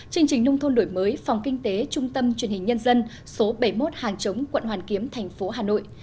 chương trình nông thôn đổi mới phòng kinh tế trung tâm truyền hình nhân dân số bảy mươi một hàng chống quận hoàn kiếm thành phố hà nội